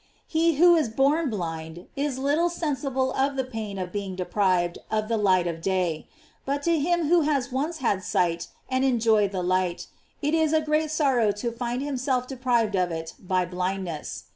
He who is born blind is lit tle sensible of the pain of being deprived of the light of day; but to him who has once had sight and enjoyed the light, it is a great sorrow to find himself deprived of it by blindness.